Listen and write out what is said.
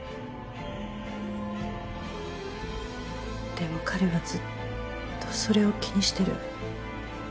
でも彼はずっとそれを気にしてる。